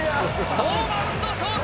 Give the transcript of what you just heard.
ノーバウンド送球。